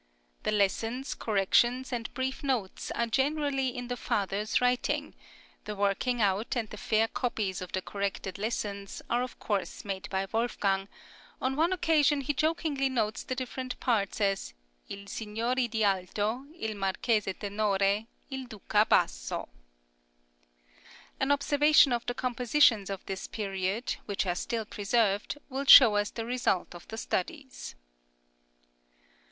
The lessons, corrections, and brief notes are generally in the father's writing, the working out and the fair copies of the corrected lessons are of course made by Wolfgang; on one occasion he jokingly notes the different parts as Il Sign. d'Alto, il Marchese Tenore, il Duca Basso. An observation of the compositions of this period, which are still preserved, will show us the result of the studies.